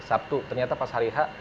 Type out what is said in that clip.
sabtu ternyata pas hari h